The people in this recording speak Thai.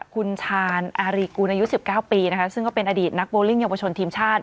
คุณชานอาริกูนายุสิบเก้าปีนะคะซึ่งก็เป็นอดีตนักโบริ่นยาวประชวนทีมชาติ